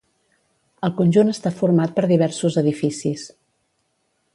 El conjunt està format per diversos edificis.